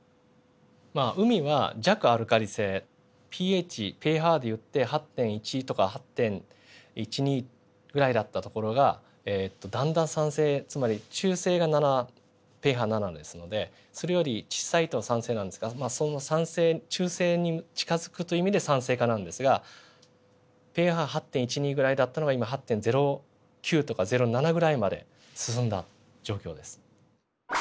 海は弱アルカリ性ｐＨｐＨでいって８．１とか８．２ぐらいだったところがだんだん酸性つまり中性が７ｐＨ７ですのでそれより小さいと酸性なんですがまあその中性に近づくという意味で酸性化なんですがｐＨ８．１８．２ぐらいだったのが今８．０９とか０７ぐらいまで進んだ状況です。